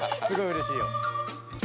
すごいうれしいよ。